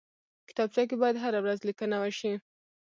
کتابچه کې باید هره ورځ لیکنه وشي